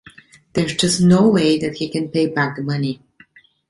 There's just no way that he can pay back the money.